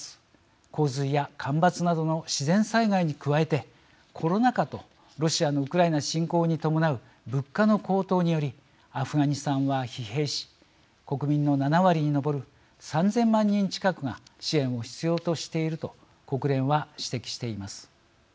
洪水や干ばつなどの自然災害に加えて、コロナ禍とロシアのウクライナ侵攻に伴う物価の高騰によりアフガニスタンは疲弊し国民の７割に上る３０００万人近くが支援を必要としていると国連は指摘しています。